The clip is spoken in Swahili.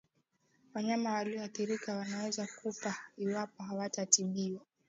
Wanyama walioathirika wanaweza kufa iwapo hawatatibiwa